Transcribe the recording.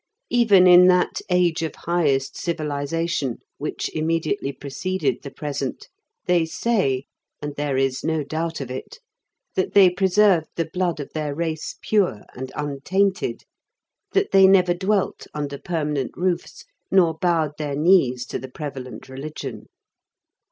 Even in that age of highest civilization, which immediately preceded the present, they say (and there is no doubt of it) that they preserved the blood of their race pure and untainted, that they never dwelt under permanent roofs, nor bowed their knees to the prevalent religion.